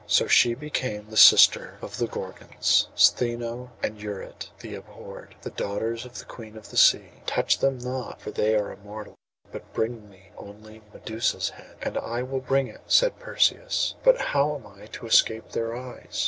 So she became the sister of the Gorgons, Stheino and Euryte the abhorred, the daughters of the Queen of the Sea. Touch them not, for they are immortal; but bring me only Medusa's head.' 'And I will bring it!' said Perseus; 'but how am I to escape her eyes?